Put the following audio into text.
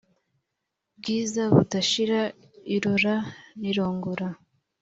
Bwiza budashira irora n'irongora